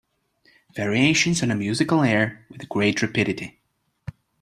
Variations on a musical air With great rapidity